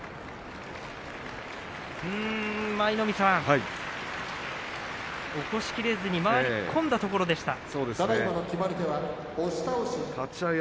舞の海さん、起こしきれずに回り込んだところでした。